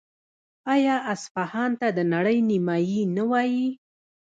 آیا اصفهان ته د نړۍ نیمایي نه وايي؟